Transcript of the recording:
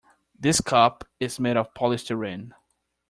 This cup is made of polystyrene.